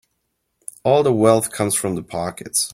All the wealth comes from the pockets.